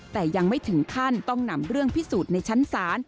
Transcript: แต่ยังไม่ถึงขั้นต้องนำเรื่องพิสูจน์ในชั้นศาล